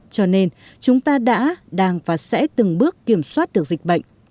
cho nên chúng ta đã đang và sẽ từng bước kiểm soát được dịch bệnh